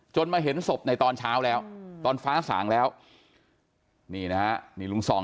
มาเห็นศพในตอนเช้าแล้วตอนฟ้าสางแล้วนี่นะฮะนี่ลุงส่อง